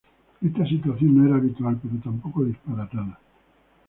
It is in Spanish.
Esta situación no era habitual pero tampoco disparatada.